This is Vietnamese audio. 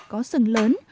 có sừng lớn